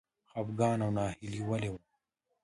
خپګان او ناهیلي ولې و؟